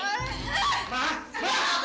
gendy jangan pergi